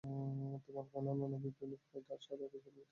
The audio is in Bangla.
তোমরা কেমন নবী-প্রেমিক যে, তাঁর শাহাদাতের সাথে সাথেই মৃত্যু ভয়ে পালাচ্ছ?